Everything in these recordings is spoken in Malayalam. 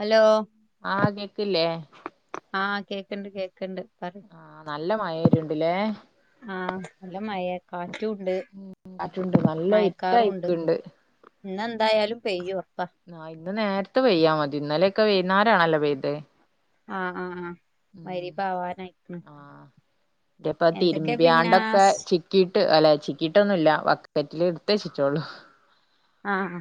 ഹലോ ആ കേക്ക്‌ല്ലേ ആഹ് കേക്ക്‌ണ്ട് കേക്ക്‌ണ്ട് ആ നല്ല മയര്ണ്ട്ലേ ആ നല്ല മയേ കാറ്റുണ്ട് കാറ്റുണ്ട് നല്ല മയക്കാറുണ്ട് ഇട്ടയിക്ക്ണ്ട് ഇന്നെന്തായാലും പെയ്യും ഒറപ്പ അ ഇന്ന് നേരത്തെ പെയ്യാ മതി ഇന്നലെ ഒക്കെ വെയ്ന്നാരാണല്ലോ പെയ്തത് ആഹ് ആ മരിബ് ആവാനായിക്ക്‌ണ് [unintelligible] പിന്നെ തിരുമ്പ്യാണ്ടൊക്കെ ചിക്കിട്ട് അല്ല ചിക്കിയിട്ടൊന്നുല്ല വക്കറ്റില് ഇട്ത്തെച്ച്ട്ടൊള്ളു ആഹ്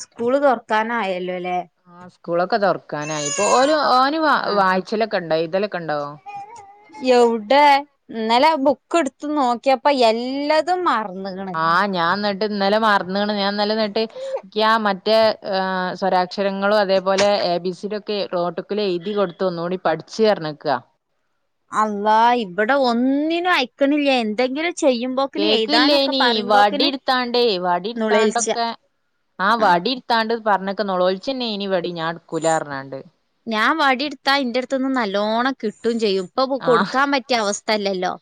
സ്കൂള് തൊറക്കാനായല്ലോ ല്ലെ ആ സ്കൂളൊക്കെ തൊറക്കാനായി ഇപ്പൊ ഓ ഓന് വായിച്ചലൊക്കെ ണ്ടോ എയ്തലൊക്കെ ണ്ടോ എവിടെ ഇന്നലെ ബുക്ക്ട്ത്ത് നോക്ക്യപ്പോ എല്ലാ തും മറന്ന്ക്ക്‌ണ് ആഹ് ഞാൻ ന്ന്ട്ട് ഇന്നലെ മർന്ന്ണ് ഞാൻ ഇന്നലെന്ന്ട്ട് ക്ക്യാ മറ്റേ സ്വരാക്ഷരങ്ങളും അതേപോലെ എ ബി സി ഡി ഒക്കെ നോട്ടുബുക്കിലെയ്തി കൊട്ത്ത് ഒന്നൂടി പഠിച്ച് പർഞ്ക്ക അല്ലാഹ് ഇവടെ ഒന്നിനും അയക്ക്‌ണില്ല എന്തെങ്കിലും ചെയ്യുമ്പോ കേക്കില്ലേനി വടിട്ത്താണ്ടേ നുളെൾച്ച വടിട്ത്താണ്ടൊക്കെ ആ ആഹ് വടി ത്താണ്ട് പറഞ്ക്ക നൊലോൾച്ചെന്നേനി ഇവടിം ഞാൻ ഇട്ക്കൂലാർഞാണ്ട് ഞാൻ വടിട്ത്താ ഇന്റെട്ത്ത്ന്ന് നല്ലോണം കിട്ടും ചെയ്യും ഇപ്പപ്പൊ ആഹ് കൊടുക്കാ പറ്റിയ അവസ്ഥയല്ലല്ലോ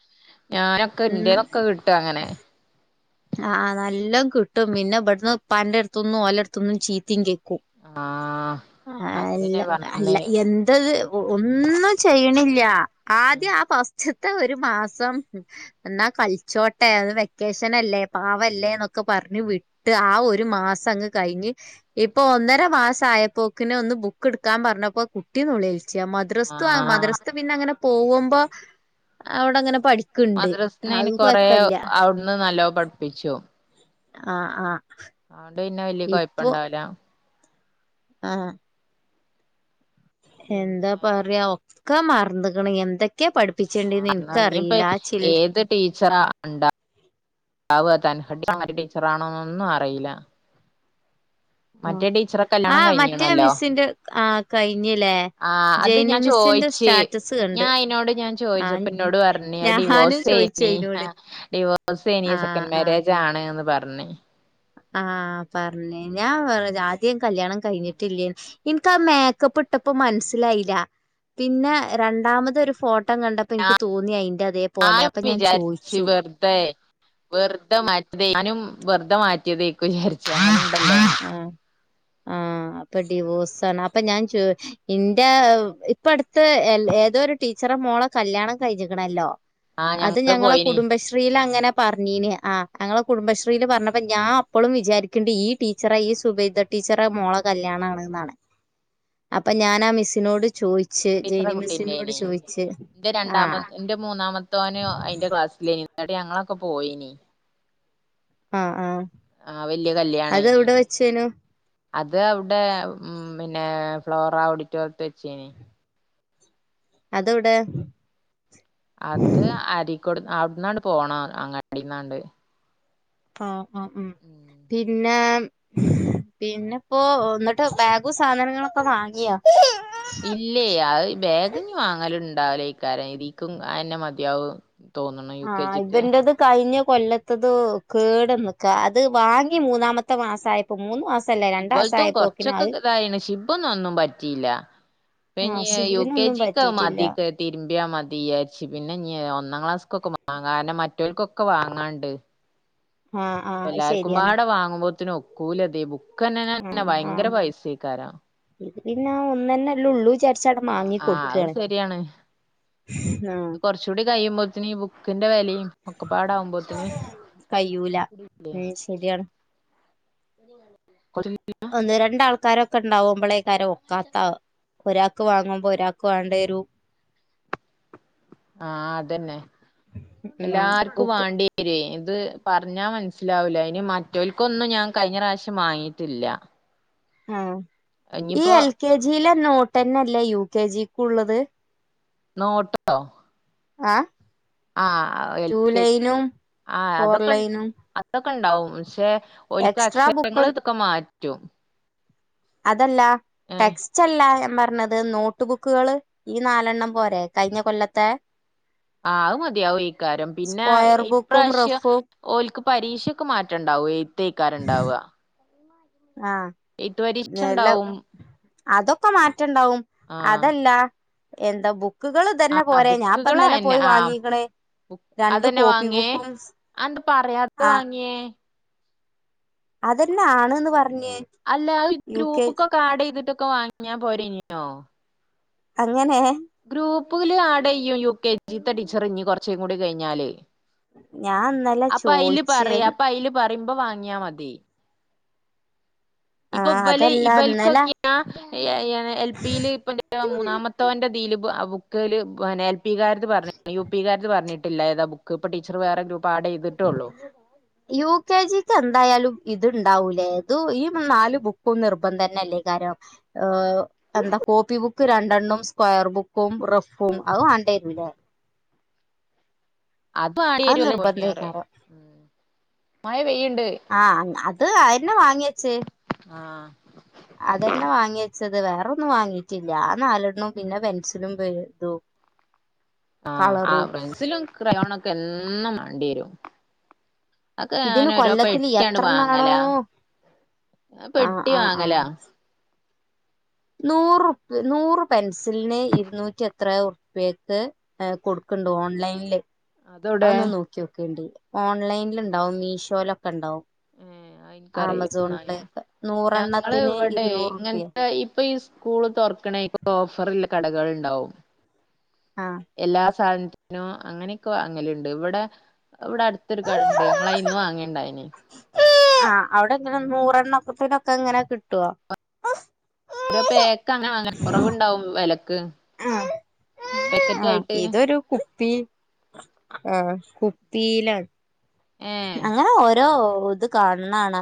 ഞാനൊക്കെ ഇന്റെന്നൊക്കെ കിട്ടും അങ്ങനെ ആ ആ നല്ലോം കിട്ടും പിന്നെ ഇവിട്ന്ന് ഇപ്പാന്റെ എട്ത്ത്ന്നും ഓലെട്ത്ത്ന്നും ചീത്തിം കേക്കും ആഹ് ക്കും അല്ല അതിനെ അല്ല പറഞ്ഞേ എന്തത് വ് ഒന്നും ചെയ്യ്ണില്ല ഉം ആദ്യ ആ ഫസ്റ്റ് ത്തെ ഒരു മാസം ന്നാ കളിച്ചോട്ടെ അത് വെക്കേഷനല്ലേ പാവല്ലേന്നൊക്കെ പർഞ്ഞ് വിട്ട് ആ ഒരു മാസങ്ങ് കഴിഞ്ഞ് ഇപ്പൊ ഒന്നര മാസായപ്പോക്കിന് ഒന്ന് ബുക്ക് ട്ക്കാൻ പറഞ്ഞപ്പോ കുട്ടി നൊലോ ച്ച മദ്രസ്ത്തതും ആഹ് മദ്രസ്ത്തത് പിന്നങ്ങനെ പോകുമ്പോ അവടങ്ങനെ പഠി മദ്രസ്ന്ന് അയിന് കൊറെ അവിട്ന്ന് നല്ലോം പട്പ്പിച്ചും ആ ആ അതോണ്ട് പിന്നെ വെല്യയ കൊയപ്പണ്ടാവൂല ആഹ് പിന്നെ എന്താ പറയാ ഒക്കെ മർന്ന്ക്ക്‌ണ് എന്തൊക്കെ പഠി ആ ഞ്ഞിപ്പോ ഏത് ടീച്ചറ ണ്ടാവ് [unintelligible] ടീച്ചറാണോന്നൊന്നും അറില്ല ടീച്ചറെ ആ കല്യാണം മറ്റേ കഴിഞ്ഞീണല്ലോ മിസ്സിന്റെ ആ കഴിഞ്ല്ലേ ആ അത് ഞാൻ ചോയിച്ച് കണ്ട് ഞാൻ അയ്നോട്ങ്ങനെ ആഹ് ചോയിച്ചപ്പൊന്നോട് പർഞ് അത് ഞാനും ഡിവോസ് ചോയിച്ചു നി ആ അയിനോട് ഡിവേസേനി ആഹ് സെക്കൻഡ് മാരേജാണ്ന്ന് പർഞ്ഞ് ആ പർഞ് ഞാൻ [unintelligible] ആദ്യം കല്യാണം കയ്ഞ്ഞിട്ടില്ലേ ഇൻക്കത് മേക്കപ്പ്ട്ടപ്പൊ മൻസ്സിലായില്ല പിന്നെ രണ്ടാമത് ഒരു ഫോട്ടോ കണ്ടപ്പോ ഇൻക്ക് തോന്നി അയ്ന്റതേ [unintelligible] വിചാരിച്ച് വെർതെ വെർതെ മാറ്റ ഞാനും വെർതെ മാറ്റിയേതേക്കും വിചാരിച്ച് ആ ആ അപ്പൊ ഡിവോഴ്സാണ് അപ്പൊ ഞാൻ ചോയി ഇന്റെ ഇപ്പ അടുത്ത് ഏതോരു ടീച്ചറെ മോളെ കല്യാണം കഴിഞ്ഞിക്കണല്ലോ. ആഹ് അത് ഞങ്ങള് ഞങ്ങളെ പോയിനി കുടുംബശ്രീലങ്ങനെ. പറഞ്ഞീനിം ആ ഞങ്ങളെ കുടുംബശ്രീല് പറഞ്ഞപ്പൊ ഞാൻ അപ്പളും വിചാരിക്ക്ണ്ട് ഈ ടീച്ചറ ഈ സുബൈദ ടീച്ചറെ മോള കല്യാണം ആണ്ന്നാണ്. അപ്പം ഞാനാ മിസ്സിനോട് ചോയി ടീച്ചറെ കുട്ടീന്റെയിനും എന്റെ രണ്ടാമ ആഹ് എന്റെ മൂന്നാമത്തോന് അയിന്റെ ക്ലാസ്സിലയിനും. എന്നിട്ട് ഞങ്ങളൊക്കെ പോയിനിം. ആഹ് ആഹ്. ആഹ് വല്യ കല്യാണ അത് അയനിം. എവിടെ വെച്ചേനു അത് അവിടെ ഉം പിന്നെ ഫ്ലോറ ഓഡിറ്റോറിയത്ത് വെച്ചയിനിം. അത് എവിടെ? അത് അരിക്കോട് അവിടുന്നാണ്ട് പോണം അങ്ങടിന്നാണ്ട്. ആഹ് ആഹ് ഉം പിന്നെ പിന്നെപ്പൊഎന്നിട്ട് ബാഗും സാധനങ്ങളൊക്കെ വാങ്ങിയോ? ഇല്ലേ അ ബേഗ് വാങ്ങല് ഇണ്ടാവലേക്കാരം ഇക്കുംഅതെന്നെ മതിയാവും. തോന്നുന്നു യു കെ ആഹ് ജി ക്ക്. ഇവന്റത് കഴിഞ്ഞ കൊല്ലത്തത് കേട് വന്ന്ക്കാ അത് വാങ്ങി മൂന്നാമത്തെ മാസ ആയപ്പൊ ഇവൾതുംകൊറച്ചൊക്കെ ഇതായിണ് ശിബൊന്നും ഒന്നും പറ്റിയില്ല. ആഹ് പിന്നെ യുക്കെ സിബിനൊന്നും ജി ക് പറ്റിയിട്ടില്ല മാദിക്ക തിരുമ്പിയാ മതി വിചാരിച്ചു പിന്നെ ഒന്നാം ക്ലാസ്സക്കൊക്കെ വാങ്ങാ കാരണം മറ്റവർക്കൊക്കെ വാങ്ങാണ്ട്. ആഹ് ആഹ് അത് ശരിയാ എല്ലാർക്കുമ്പാടെ വാങ്ങുമ്പോത്തിനും ഒക്കൂലത് ബുക്ക് ആഹ് തന്നെ ആഹ് ഭയങ്കര പൈസേക്കാരം. ഇത് പിന്നെ ഒന്നെന്നെല്ലാം ഉള്ളു വിചാരിച്ച അങ്ങ് ആഹ് ആഹ് അത് മാങ്ങികൊടുക്കണ്. ആഹ്. കൊറച്ചുകൂടി കഴിയുമ്പോത്തിന് ഈ ബുക്കിന്റെ വിലയും ഒക്കപ്പാടെ ആകുമ്പോത്തിന്. കയ്യൂല ഉം ശരിയാണ്. [unintelligible] ഒന്ന് രണ്ടാൾക്കാരൊക്കെ ഉണ്ടാവുമ്പളേക്കാരെ ഒക്കാത്താവ ഒരാക്ക് വാങ്ങുമ്പോ ഒരാക്ക് വേണ്ടെരും. ആഹ് അതന്നെ ഉം എല്ലാർക്കും ബുക്ക് വേണ്ടി രിം ഇത് പറഞ്ഞാ മനസ്സിലാവൂല അയിന് മറ്റവൽക്കൊന്നും ഞാൻ കഴിഞ്ഞ പ്രാവശ്യം വാങ്ങിയിട്ടില്ല. ആഹ് ഈ ഇനിയിപ്പോ എൽ കെ ജിയിലെ നോട്ടന്നല്ലേ യു കെ ജിക്കുള്ളത്. നോട്ടോ? ആഹ് ആഹ് എൽ കെ ടൂലൈനും ഫോർ ലൈനും. തൊക്കെ ഉണ്ടാവും പക്ഷെ ഓൽക്ക് എക്സ്ട്രാ അക്ഷരങ്ങൾ ബുക്ക് ഇതൊക്കെ മാറ്റും. അതല്ല ഏഹ് ടെക്സ്റ്റല്ല ഞാ പറഞ്ഞത്. ത് നോട്ട് ബുക്കുകള് ഈ നാലെണ്ണം പോരെ കഴിഞ്ഞ കൊല്ലത്തെ? ആഹ് അത് മതിയാവൊയ്ക്കാരം, പിന്നെ സ്ക്വയർ ബുക്കും ഇപ്രാശ്യം. റഫും ഓൽക്ക് പരീക്ഷക്ക് മാറ്റംണ്ടാവും എഴ്ത്തെയ്ക്കാരംണ്ടാവ. ആഹ് പരീക്ഷ നല്ല ഉണ്ടാവും അതൊക്കെ മാറ്റംണ്ടാവും. ആഹ് അതല്ലാ എന്താ ബുക്കുകള് ഇതന്നെ ആഹ് പോര? ഞാപ്പന്നലെ ബുക്കുകളന്നെ ആഹ് പോയ്വാങ്ങീക്ക്ണ്. അതന്നെ വാങ്ങിയേ. അന്തെ പറയാത ആ വാങ്ങിയെ? അതെന്നെ ആണ്ന്ന് പർഞ്ഞ്. അല്ല അത്ഗ്രൂപ്പ്ക്കൊക്കെ ആഡെ യ്തിട്ടൊക്കെ വാങ്ങ്യാ പോരേര്നോ. അങ്ങനെ. ഗ്രൂപ്പില് ആഡെയ്യും യു കെ ജീ ത്തെ ടീച്ചറ് ഞി കൊർച്ചും കൂടി കഴിഞ്ഞാല്. ഞാൻ ഇന്നലെ അപ്പ അയ്ല് ചോയിച്ച് പറിം അപ്പ അയ്ല് പറിമ്പോ വാങ്ങ്യാ മതി. ആ ഇപ്പൊ പല് അതല്ല ഇന്നലെ ഇപൽക്കൊക്കിം ന എ എ എൽപില് ഇപ്പ [unintelligible] മൂന്നാമത്തോന്റെ തീല് പ അ ബുക്ക്ല് പന്നെ എൽ എ ൽ പി കാര്ത്പറഞ്ഞ്ക്ണ് യു പി കാര്ത് പറഞ്ഞ്ട്ടില്ല ഏതാ ബുക്ക് ഇപ്പ ടീച്ചർ വേറെ ഗ്രൂപ്പ് ആഡെയ്തിട്ടൊള്ളു. യു കെ ജീക്ക് എന്തായാലും ഇത്ണ്ടാവൂലേ ഇതു ഈ നാല് ബുക്കും നിർബന്ധംന്നെല്ലയ് കാരം ആഹ്. എന്താ കോപ്പി ബുക്ക് രണ്ടെണ്ണും സ്ക്വയർ ബുക്കും റഫും അത് വാണ്ടരൂലേ. ആഡ് അത് ചെയ്യല്ലോ ജൂനിയറ് നിർബന്ധയ്കാരം. മഴ പെയ്യ്ണ്ട്. ആ അത് അഅന്നെ വാങ്ങിച്ചെത് ആഹ്. അതന്നെ വാങ്ങച്ചത് വേറൊന്നും വാങ്ങീട്ടില്ല ആ നാലെണ്ണും പിന്നെ പെൻസിലും പെൻ ഇതും. ആ ആ കളറും പെൻസിലും ക്രയോണൊക്കെ എന്നും മാണ്ട്യരും. അക്കെ ഇതിന് ഞാനോരോ കൊല്ലത്തില് പെട്ട്യാണ്ട് എത്രണ്ണാണോ വാങ്ങലാ ആ പെട്ടി ആ വാങ്ങലാ നൂറുപ് നൂറ് പെൻസിൽന് ഇരുന്നൂറ്റി എത്രേ ഉർപ്യേക്ക് ഏ കൊട്ക്ക്ണ്ട് ഓൺലൈൻല്. അതോടെ അഒന്ന് നോക്ക്യോകോണ്ടിം ഓൺലൈൻല്ണ്ടാവും മീഷോലൊക്കെ ണ്ടാവും. ഏഹ് അത് ഇൻക്കറിയില്ല ന്നാല് ആമസോൺല് ഞങ്ങള് നൂറെണ്ണത്തിന് ഇവിടെ ഇരുന്നൂറുപ്യ. ഇങ്ങനത്തെ ഇപ്പൊ ഈ സ്കൂള് തുറക്ക്ണെപ്പ ഓഫറ്ളള കടകള്ണ്ടാവും. ആഹ്. എല്ലാ സാധൻത്തിനും അങ്ങനെക്കെ വാങ്ങല്ണ്ട് ഇവടെ അത് വടെട്ത്തൊരു കടണ്ട് ഞങ്ങള് അയ്ന്ന് വാങ്ങണ്ടായ്ന്. ആ അവിടെങ്ങനെ നൂറെണ്ണക്കത്തിനൊക്കെങ്ങനെ കിട്ടോ? ഓരോപേക്ക് അങ്ങനെ വാങ്ങും കുറവ്ണ്ടാവും വെലക്ക്. ആ ആ ഇതൊരു കുപ്പി ആ കുപ്പീലാണ് ഏ അങ്ങനെ ഓ രോത് കാണ് ണാണ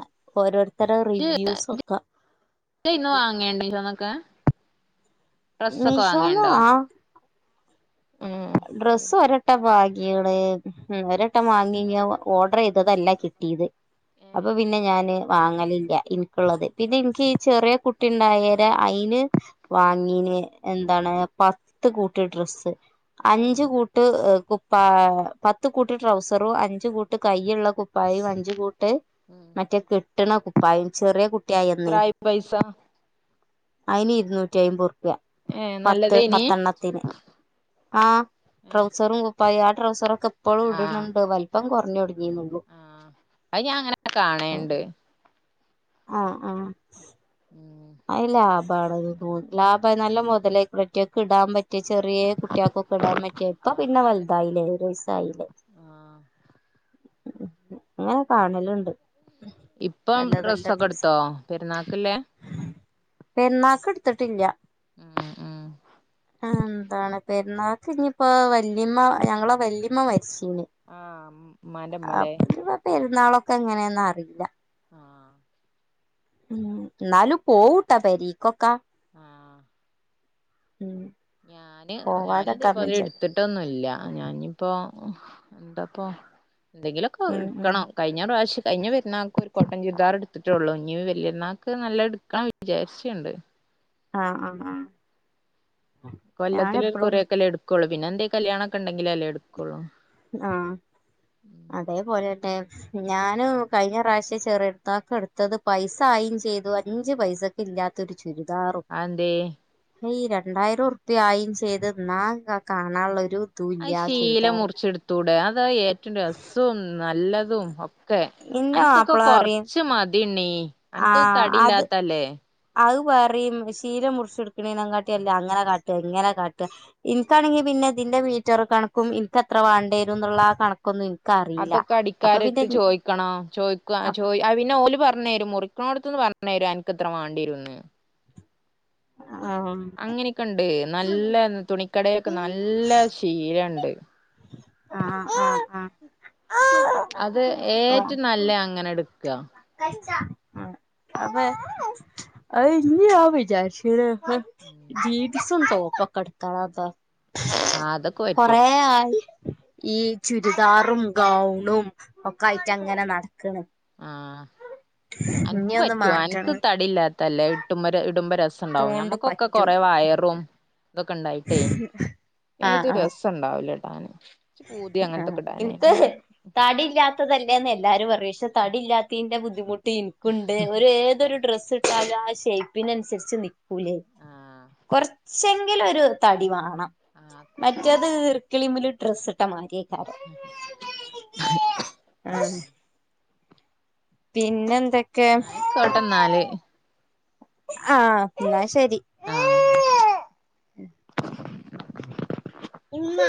ഓരോര്ത്തരെ റിവ്യൂസൊക്കെ. ജയ്ന്ന് വാങ്ങേണ്ട മീഷോന്നൊക്കെ ഡ്രസ്സൊക്കെ മീഷോന്ന് വാങ്ങേണ്ടോ. ആഹ് ഉം ഡ്രസ്സ് ഒരട്ടംവാങ്ങീണ് ഒരട്ടംവാങ്ങി ഞി ഓർഡർ ചെയ് ത്തതല്ല കിട്ടീത് ഏ അപ്പൊ പിന്നെ ഞാന്. വാങ്ങലില്ല ഇൻക്ക്ള്ളത് പിന്നെ ഇൻക്ക് ഈ ചെറിയ കുട്ടി ഉണ്ടായേരെ അയ്ന് വാങ്ങീന് എന്താണ് പത്ത് കൂട്ട് ഡ്രസ്സ്. ഏ അഞ്ച് കൂട്ട് കുപ്പാ പത്ത് കൂട്ട് ട്രൗസറും അഞ്ചു കൂട്ട് കൈയുള്ള കുപ്പാ പ്പായും അഞ്ച് കൂട്ട് ട്ട് ഉം മറ്റേ കെട്ട്ണ കുപ്പായും ചെറ്യേ കുട്ട്യായന്ന് എത്രായി പൈസ അയ്ന് ഇര്ന്നൂറ്റയ്മ്പ് റുപ്യ ഏ പത്ത് നല്ലതേനി പത്തെണ്ണത്തിന്. ആ ഏ ട്രൗസറും കുപ്പായും ആ ട്രൗസറൊക്കെ ഇപ്പളും ആ ഇട്ണ് ണ്ട് വൽപ്പം കൊർഞ്ഞോട്ങി. ഞ്ഞി മുകും ആ അത് ഞാൻ അങ്ങനെ കാണേണ്ട് ആഹ് ആഹ്. ഉം അയ് ലാഭണന്ന് തൊന്ന് ലാഭ നല്ല മുതലയ് റ്റിയക്കെ ഇടാൻ പറ്റ മറ്റേ ചെറിയ കുട്ടികൾക്കൊക്കെ ഇടാൻ പറ്റിയ ഇപ്പ ആഹ് പിന്നെ അതന്നെ വലുതായില്ലേ ഒരു വയസായില്ലേ ആഹ് അങ്ങനെ കാണലുണ്ട് ഇപ്പം നല്ല ഡ്രസ്സൊക്കെ എട്ത്തോ പെരുന്നാക്ക്ല്ലേ പെര്ന്നാക്ക്ട്ത്ത്ട്ട് ഇല്യ ഉം ഉം എന്താണ് പെരുന്നാൾക്ക് ഇനിയിപ്പോ വല്ലിമ്മ ഞങ്ങള വല്ലിമ്മ മരിച്ചീനി ആഹ് ഉമ്മാന്റെ ഉമ്മ ലേ പെരുന്നാളൊക്കെ എങ്ങനെയന്ന അറിയില്ല ആഹ് ഉം ന്നാലും പോവുട്ടാ പെരീക്കൊക്കാ ആഹ് ഉം ഞാന് ഞാന് പോവാതെക്കാൻ അതേപോലെ വെച്ച എടുത്തി ട്ടൊന്നുല്ല ഞാനിപ്പോ എന്താപ്പോ എന്തെങ്കിലൊക്കെ ഉം ഉം എടുക്കണോ കഴിഞ്ഞ പ്രാവശ്യ കഴിഞ്ഞ വരുന്നാൾക്ക് ഒരു കോട്ടൺ ചുരിദാർ എടുത്തിട്ടുള്ളു ഇഞ്ഞ് വല്ലിയെരുന്നാൾക്ക് നല്ലത് എടുക്കാ വിചാര്ച്ച്ണ്ട് ആഹ് ആഹ് ആഹ് ഞാൻ കൊല്ലത്തില് ഒരു എപ്പളും കുറി ഒക്കെല്ലേടുക്കുള്ളൂ പിന്നെ എന്തേ കല്യാണ ഒക്കെ ഉണ്ടെങ്കില അല്ലേ എടുക്കുള്ളൂ ആഹ് അതേപോലെന്നെ ഞാന് കഴിഞ്ഞ പ്രാവശ്യം ചെറിയെര്ന്നാക്ക് എടുത്തത് പൈസ ആയിം ചെയ്തു അഞ്ചു പൈസ ക്ക് ഇല്ലാത്തൊരു ചുരിദാറും അതെന്തേ ഈ രണ്ടായിരം ഉറുപ്പ്യ ആയിം ചെയ്ത് എന്നാ കാണാൻള്ള ഒരു ഇതും ഇല്ല അത് ആ ശീല ചുരിദാറ് മുറിച്ച്ട്ത്തൂടെ അതാ ഏറ്റവും രസവും നല്ലതും ഒ ക്കെ ഇന്റെ അൻക്കൊക്കെ മാപ്പള പറിം കൊർച്ച് മതിണ്ണീ അനക്ക് ആഹ് അത് തടിയില്ലാത്തല്ലേ അത് പറിം ശീല മുറിച്ച്ട്ക്ക്ണീ നെകാട്ടിയല്ലേ അങ്ങനെ കാട്ട ഇങ്ങനെ കാട്ട ഇൻക്കാണെങ്കി പിന്നെ ഇതിന്റെ വീറ്റരും കണക്കും ഇൻക്കത്ര വാണ്ടി വരും എന്നുള്ള ആ കണ ക്കൊന്നും ഇൻക്കറില്ല അപ്പൊ പിന്നെ ക്കണോ ചോദിക്ക ചോ അത് പിന്നെഓല് പർഞ്ഞരും മുറിക്ക്ണോട്ത്ത്ന്ന് പർഞ്ഞരും അൻക്ക്ത്ര വാണ്ടിയരുന്ന് ആഹ് അങ്ങനെയൊക്കെണ്ട് നല്ല തുണിക്കടൊക്കെ നല്ല ശീലണ്ട് ആഹ് ആഹ് ആഹ് അത് ഏറ്റം നല്ല അങ്ങനെ എടുക്ക അപ്പ അത് ഇഞ്ഞി ഞാൻ വിചാര്ച്ച്ക്ണ് മ ജീൻ [unintelligible] സും ടോപ്പൊക്കെട്ത്തള [unintelligible] അതൊക്കെ പറ്റും കൊറേ ആയി ഈ ചുരിദാറും ഗൗണും ഒക്കെ ആയിട്ട് അങ്ങനെ നടക്ക്ണ് ആഹ് അൻക്ക് ഒന്ന് പറ്റോ അൻക്ക് മാറ്റണം തടില്ലാ ത്തല്ലേ ഇട്ടുമ്മര് ഇടുമ്പ രസണ്ടാവും തോണ്ട് ഞമ്മക്കൊക്കെ പറ്റും കൊറേ വയറും ഇതൊക്കെ ഇണ്ടായിട്ടേ ആഹ് ഏതും ആഹ് രസണ്ടാവ്ലടാന് ച്ച് പൂതിയ അങ്ങൻത്തൊക്കെടാന് അയ്ന് തടില്ലാത്തതല്ലേന്ന് എല്ലാരും പറയും പക്ഷെ തടില്ലാത്തീൻ്റെ ബുദ്ധിമു ട്ട് ഇൻക്കുണ്ട് ഒരു ഏതൊരു ഡ്രസ്സ് ഇട്ടാലും ആ ഷേപ്പിനൻസരിച്ച് ന്ക്കൂലേ ആഹ് കൊർച്ചെങ്കിലും ഒരു തടി വാണം ആഹ് കൊ മറ്റേത് ഇർക്കിളിമില് ഡ്രെസ് ഇ ട്ട മാരിയേകാരം ആ ഉം പിന്നെ എന്തൊ ന്നയ്ക്കോട്ടെ ന്നാല് ആഹ് ന്നാ ശരി ആഹ് ന്നാ ശരി ഇമ്മാ